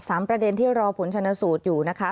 ประเด็นที่รอผลชนสูตรอยู่นะคะ